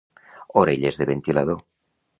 Orelles de ventilador.